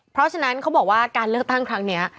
เพราะฉะนั้นเขาบอกว่าการเลือกตั้งครั้งนี้